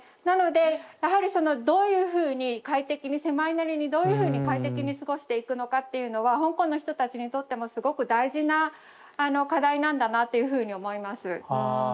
なのでやはりどういうふうに快適に狭いなりにどういうふうに快適に過ごしていくのかっていうのは香港の人たちにとってもすごく大事な課題なんだなっていうふうに思います。